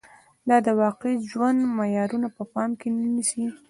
دا د واقعي ژوند معيارونه په پام کې نه نیسي